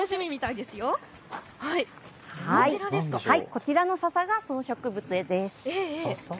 こちらのささがその植物です。